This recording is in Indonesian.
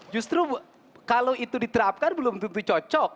justru kalau itu diterapkan belum tentu cocok